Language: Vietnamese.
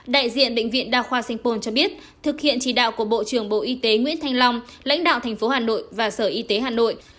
đại diện bệnh viện đa khoa sanh pôn cho biết thực hiện chỉ đạo của bộ trưởng bộ y tế nguyễn thanh long lãnh đạo thành phố hà nội và sở y tế hà nội